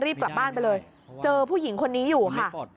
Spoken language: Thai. รีบกลับบ้านไปเลยเจอผู้หญิงคนนี้อยู่ค่ะ